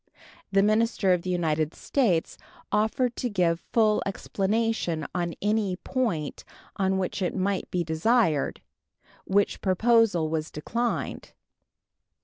The minister of the United States offered to give full explanation on any point on which it might be desired, which proposal was declined.